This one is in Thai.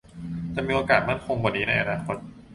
จะมีโอกาสมั่นคงกว่านี้ในอนาคต